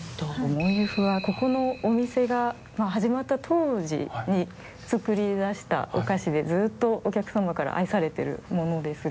モンユフはここのお店が始まった当時に作り出したお菓子でずっとお客さまから愛されてるものですが。